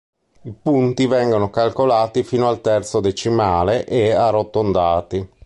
I punti vengono calcolati fino al terzo decimale, e arrotondati.